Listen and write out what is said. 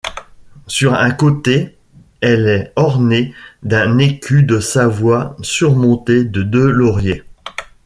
Sur un côté, elle est ornée d'un écu de Savoie surmonté de deux lauriers.